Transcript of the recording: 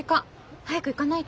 早く行かないと。